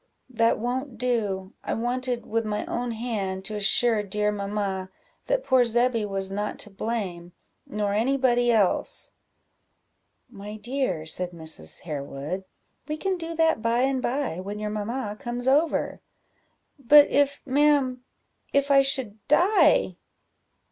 "That won't do I wanted, with my own hand, to assure dear mamma that poor Zebby was not to blame, nor any body else." "My dear," said Mrs. Harewood, "we can do that by and by, when your mamma comes over." "But if, ma'am if I should die?"